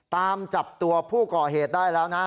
ตามจับตัวผู้ก่อเหตุได้แล้วนะ